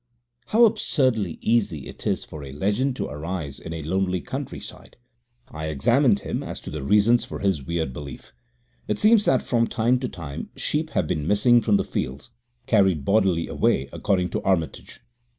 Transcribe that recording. How absurdly easy it is for a legend to arise in a lonely countryside! I examined him as to the reasons for his weird belief. It seems that from time to time sheep have been missing from the fields, carried bodily away, according to Armitage.